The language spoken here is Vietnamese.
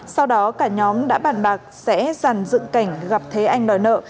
sau đó cả nhóm đã bàn bạc sẽ giàn dựng cảnh gặp thế anh đòi nợ